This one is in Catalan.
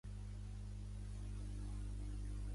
Va néixer i morir a Naha, Okinawa.